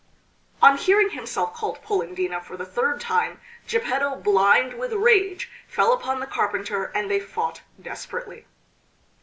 On hearing himself called Polendina for the third time Geppetto, blind with rage, fell upon the carpenter and they fought desperately.